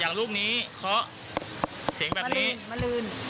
อย่างรูปนี้เค้าะเสียงแบบนี้มะลืนมะลืน